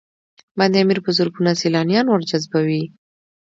بند امیر په زرګونه سیلانیان ورجذبوي